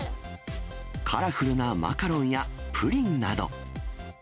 カラフルなマカロンやプリンなど。